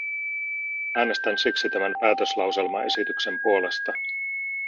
Äänestän siksi tämän päätöslauselmaesityksen puolesta.